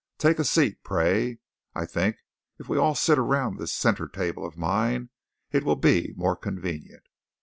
Take a seat, pray: I think if we all sit around this centre table of mine it will be more convenient.